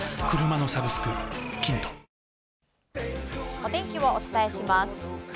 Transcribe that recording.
お天気をお伝えします。